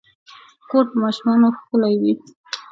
کور په ماشومانو ښکلے وي